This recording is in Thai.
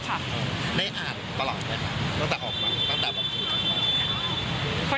นี่อาหารตลอดงั้นตั้งแต่ออกมา